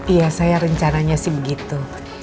iya saya rencananya sih begitu